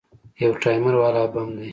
يو ټايمر والا بم دى.